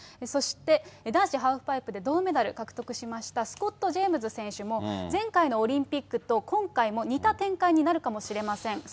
そして男子ハーフパイプで銅メダル獲得しました、スコット・ジェームズ選手も、前回のオリンピックと今回も似た展開になるかもしれません。